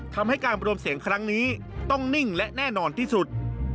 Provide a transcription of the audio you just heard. ทำให้การรวมเสียงครั้งนี้ต้องนิ่งและแน่นอนที่สุด